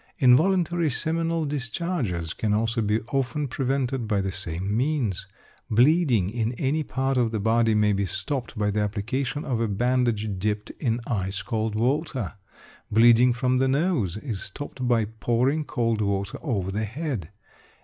Involuntary seminal discharges can also be often prevented by the same means. Bleeding in any part of the body may be stopped by the application of a bandage dipped in ice cold water. Bleeding from the nose is stopped by pouring cold water over the head.